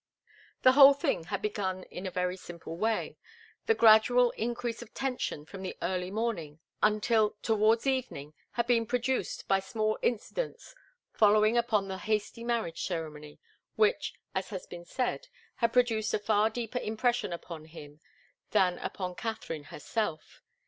The whole thing had begun in a very simple way the gradual increase of tension from the early morning until towards evening had been produced by small incidents following upon the hasty marriage ceremony, which, as has been said, had produced a far deeper impression upon him than upon Katharine herself.